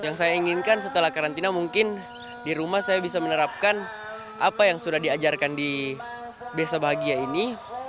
yang saya inginkan setelah karantina mungkin di rumah saya bisa menerapkan apa yang sudah diajarkan di desa bahagia ini